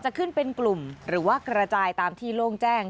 ขึ้นเป็นกลุ่มหรือว่ากระจายตามที่โล่งแจ้ง